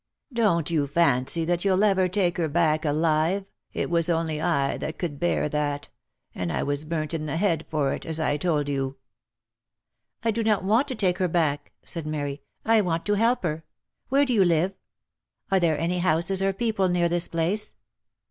Don't you fancy that you'll ever take her back alive, it was only I that could bear that, and I was burnt in the head for it, as I told you." « I do not want to take her back," said Mary, " I want to help her. Where do you live ? Are there any houses or people near this place